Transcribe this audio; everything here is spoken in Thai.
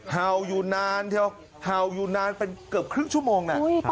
เห่าอยู่นานทีเดียวเห่าอยู่นานเป็นเกือบครึ่งชั่วโมง